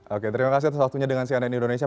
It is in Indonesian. oke terima kasih atas waktunya dengan cnn indonesia